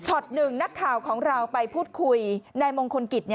หนึ่งนักข่าวของเราไปพูดคุยนายมงคลกิจ